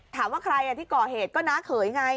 ถามว่าใครที่ก่อเหตุก็น้าเขยไง